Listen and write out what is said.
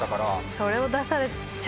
それを出されちゃ